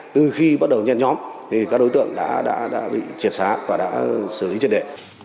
từ khi bắt đầu nhận nhóm thì các đối tượng đã bị triệt xá và đã xử lý trên đệ